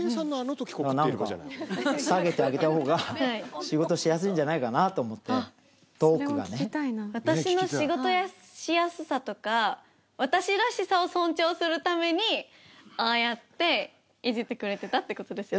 なんか下げたほうが仕事しやすいんじゃないかなと思って、トーク私の仕事しやすさとか、私らしさを尊重するために、ああやって、いじってくれてたってことですよね？